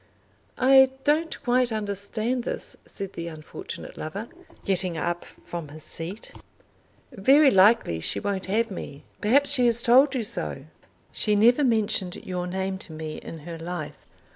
"I don't quite understand this," said the unfortunate lover, getting up from his seat. "Very likely she won't have me. Perhaps she has told you so." "She never mentioned your name to me in her life.